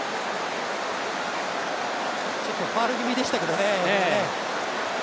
ちょっとファウル気味でしたけどね。